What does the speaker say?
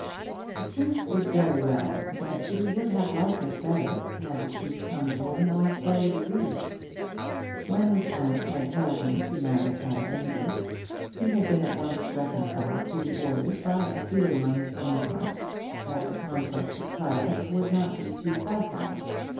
The truth is very well, but he would have liked it better had the truth come to him by slower degrees. When his aunt had told him to marry Clara Amedroz, he had been at once reconciled to the order by a feeling on his own part that the conquest of Clara would not be too facile.